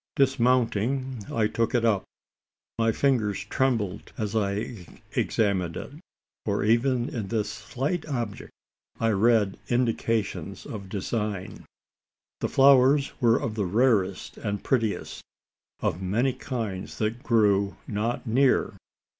Dismounting, I took it up. My fingers trembled as I examined it: for even in this slight object I read indications of design. The flowers were of the rarest and prettiest of many kinds that grew not near.